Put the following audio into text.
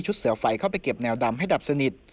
เสือไฟเข้าไปเก็บแนวดำให้ดับสนิท